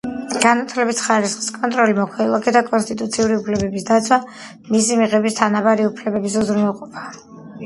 განათლების ხარისხის კონტროლი, მოქალაქეთა კონსტიტუციური უფლებების დაცვა, მისი მიღების თანაბარი უფლებების უზრუნველყოფა.